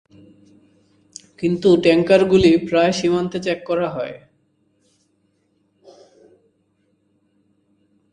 কিন্তু ট্যাঙ্কারগুলি প্রায় সীমান্তে চেক করা হয়।